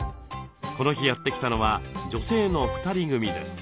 この日やって来たのは女性の２人組です。